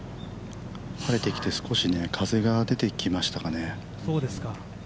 晴れてきて、少し風が出てきましたかね。